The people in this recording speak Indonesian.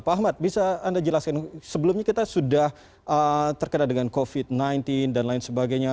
pak ahmad bisa anda jelaskan sebelumnya kita sudah terkena dengan covid sembilan belas dan lain sebagainya